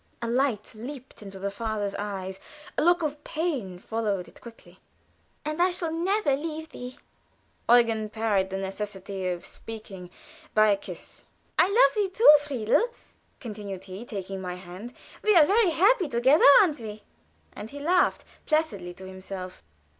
A light leaped into the father's eyes; a look of pain followed it quickly. "And I shall never leave thee," said Sigmund. Eugen parried the necessity of speaking by a kiss. "I love thee too, Friedel," continued he, taking my hand. "We are very happy together, aren't we?" And he laughed placidly to himself.